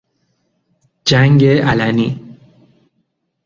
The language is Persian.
جنگ علنی